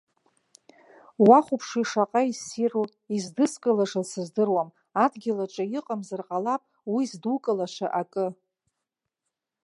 Уахәаԥши шаҟа иссиру, издыскылаша сыздыруам, адгьыл аҿы иҟамзар ҟалап уи здукылаша акы.